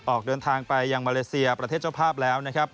ออกเดินทางไปยังมาเลเซียประเทศเจ้าภาพแล้วนะครับ